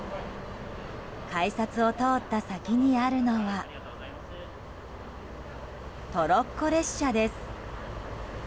改札を通った先にあるのはトロッコ列車です。